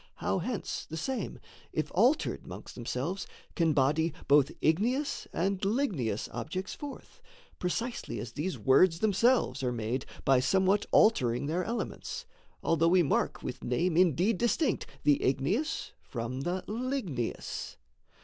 how, hence, The same, if altered 'mongst themselves, can body Both igneous and ligneous objects forth Precisely as these words themselves are made By somewhat altering their elements, Although we mark with name indeed distinct The igneous from the ligneous.